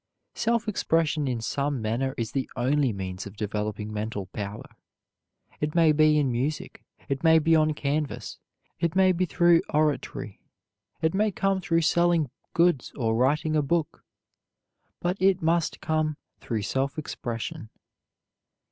Self expression in some manner is the only means of developing mental power. It may be in music; it may be on canvas: it may be through oratory; it may come through selling goods or writing a book; but it must come through self expression.